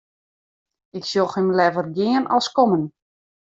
Ik sjoch him leaver gean as kommen.